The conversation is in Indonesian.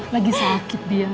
lagi sakit dia